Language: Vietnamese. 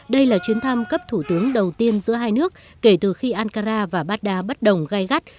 đây là chuyến thăm cấp thủ tướng đầu tiên giữa hai nước kể từ khi ankara và baghdad bất đồng gai gắt